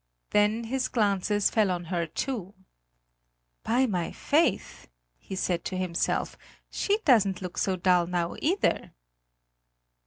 Then his glances fell on her too. "By my faith," he said to himself, "she doesn't look so dull now either!"